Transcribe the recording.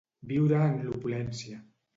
Viure en l'opulència.